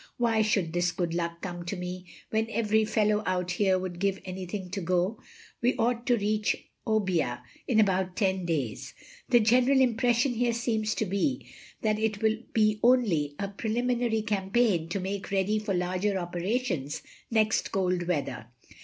''Why should this good luck come to me, when every fellow out here would give anything to got ... We ought to reach Obbia in about ten days. .. The general impression here seems to be ihat it wiU be only a preliminary campaign to make ready for larger operations next cold weather.